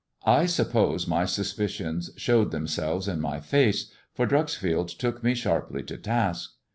I suppose my suspicions showed themselves in my face, for Dreuxfield took me sharply to task.